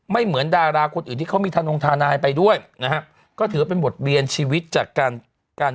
เหมือนดาราคนอื่นที่เขามีทานงทานายไปด้วยนะฮะก็ถือว่าเป็นบทเรียนชีวิตจากการการ